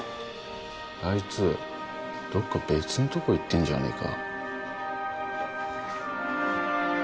あいつどっか別んとこ行ってんじゃねえか？